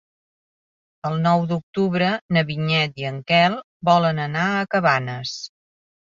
El nou d'octubre na Vinyet i en Quel volen anar a Cabanes.